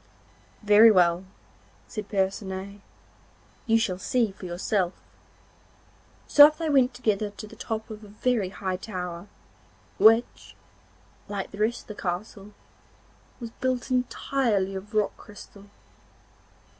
'Very well,' said Percinet, 'you shall see for yourself.' So up they went together to the top of a very high tower, which, like the rest of the castle, was built entirely of rock crystal.